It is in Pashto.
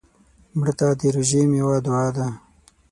مړه ته د روژې میوه دعا ده